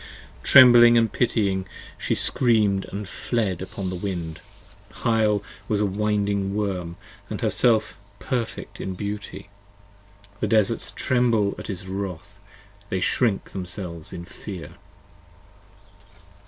Trembling & pitying she scream'd & fled upon the wind: Hyle was a winding Worm and herself perfect in beauty: 50 The desarts tremble at his wrath, they shrink themselves in fear.